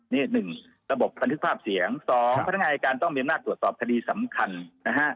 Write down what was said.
นี่๑ระบบบันทึกภาพเสียง๒พนักงานอายการต้องมีอำนาจตรวจสอบคดีสำคัญนะฮะ